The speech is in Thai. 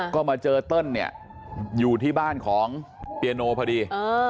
ก็มาเจอเติ้ลเนี่ยอยู่ที่บ้านของเปียโนพอดี